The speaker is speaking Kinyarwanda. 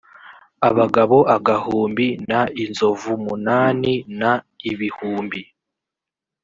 abagabo agahumbi n inzovu munani n ibihumbi